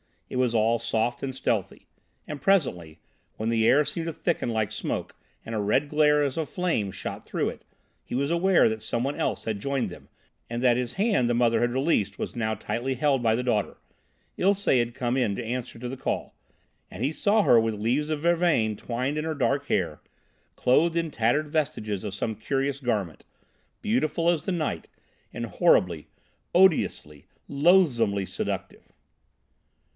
It was all soft and stealthy. And presently, when the air seemed to thicken like smoke, and a red glare as of flame shot through it, he was aware that some one else had joined them and that his hand the mother had released was now tightly held by the daughter. Ilsé had come in answer to the call, and he saw her with leaves of vervain twined in her dark hair, clothed in tattered vestiges of some curious garment, beautiful as the night, and horribly, odiously, loathsomely seductive.